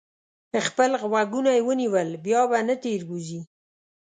خپل غوږونه یې ونیول؛ بیا به نه تېروځي.